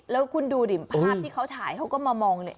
แล้วคุณดูดิภาพที่เขาถ่ายเขาก็มามองเนี่ย